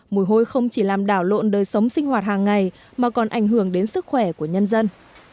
mùi hôi không chỉ làm đảo lộn đời sống sinh hoạt hàng ngày mà còn ảnh hưởng đến sức khỏe của nhân dân